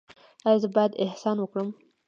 ایا زه باید احسان وکړم؟